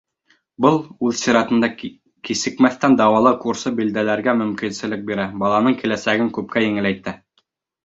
Был, үҙ сиратында, кисекмәҫтән дауалау курсы билдәләргә мөмкинлек бирә, баланың киләсәген күпкә еңеләйтә.